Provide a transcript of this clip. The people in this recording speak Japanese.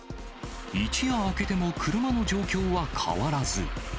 一夜明けても車の状況は変わらず。